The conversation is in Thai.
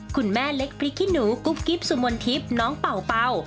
คุณแม่เล็กพริกขี้หนูกุ๊บกิ๊บสุมนทิพย์น้องเป่าเป่า